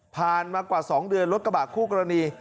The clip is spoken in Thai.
มากว่า๒เดือนรถกระบะคู่กรณี